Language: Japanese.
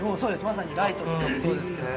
まさにライトとかもそうですけど。